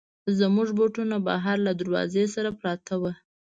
زموږ بوټونه بهر له دروازې سره پراته ول.